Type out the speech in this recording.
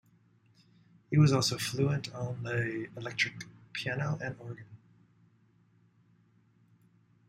He was also fluent on the electric piano and organ.